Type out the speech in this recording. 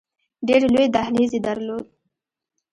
ډېر لوی دهلیز یې درلود.